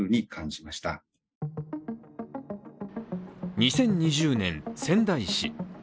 ２０２０年、仙台市。